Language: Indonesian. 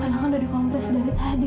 padanya udah dikompres dari tadi